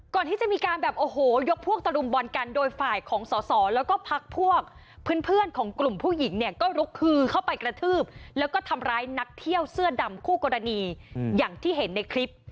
ก่อนที่จะมีการแบบโอ้โหยกพวกตะลุมบอลกันโดยฝ่ายของสอสอแล้วก็พักพวกเพื่อนของกลุ่มผู้หญิงเนี่ยก็ลุกคือเข้าไปกระทืบแล้วก็ทำร้ายนักเที่ยวเสื้อดำคู่กรณีอย่างที่เห็นในคลิป